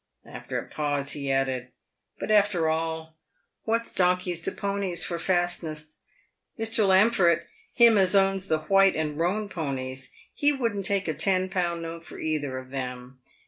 After a pause, he added :" But, after all, what's donkeys to ponies for fastness ? Mr. Lam fret, him as owns the white and roan ponies, he wouldn't take a ten pound note for either of them.